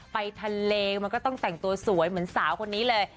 ไปทะเลมันก็ต้องแต่งตัวสวยเหมือนสาวคนนี้เลย